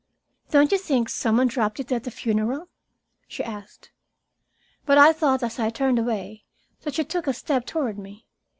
"Don't you think some one dropped it at the funeral?" she asked. But I thought, as I turned away, that she took a step toward me.